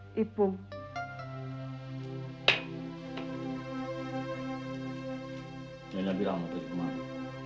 masjid aku tahu kau juga perlu berhenti dari peperangan yang melelahkan di antara kita